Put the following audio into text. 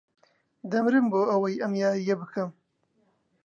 دەمرم بۆ ئەوەی ئەم یارییە بکەم.